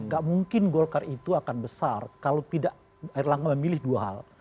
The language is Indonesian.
gak mungkin golkar itu akan besar kalau tidak erlangga memilih dua hal